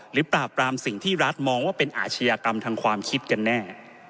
ปราบปรามสิ่งที่รัฐมองว่าเป็นอาชญากรรมทางความคิดกันแน่